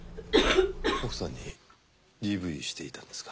奥さんにＤＶしていたんですか？